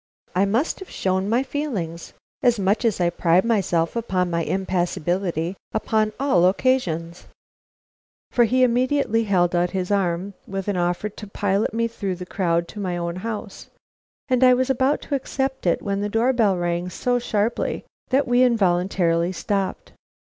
I must have shown my feelings, much as I pride myself upon my impassibility upon all occasions, for he immediately held out his arm, with an offer to pilot me through the crowd to my own house; and I was about to accept it when the door bell rang so sharply that we involuntarily stopped.